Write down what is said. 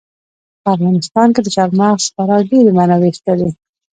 په افغانستان کې د چار مغز خورا ډېرې منابع شته دي.